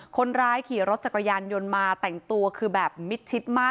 คนร้ายขี่รถจักรยานยนต์มาแต่งตัวคือแบบมิดชิดมาก